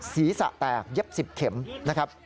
ศีรษะแตกเย็บ๑๐เข็มนะครับ